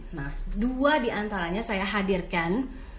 nah dua diantaranya saya hadirkan